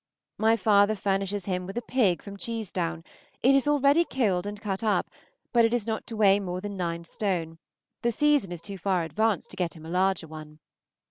My father furnishes him with a pig from Cheesedown; it is already killed and cut up, but it is not to weigh more than nine stone; the season is too far advanced to get him a larger one.